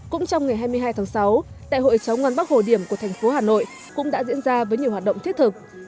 cũng trong ngày hai mươi hai tháng sáu đại hội cháu ngoan bắc hồ điểm của thành phố hà nội cũng đã diễn ra với nhiều hoạt động thiết thực